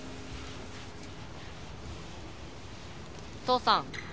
・父さん。